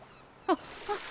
あっあっ。